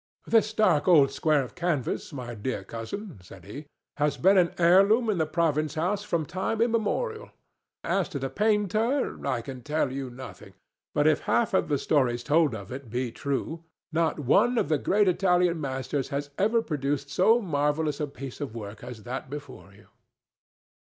"This dark old square of canvas, my fair cousin," said he, "has been an heirloom in the province house from time immemorial. As to the painter, I can tell you nothing; but if half the stories told of it be true, not one of the great Italian masters has ever produced so marvellous a piece of work as that before you."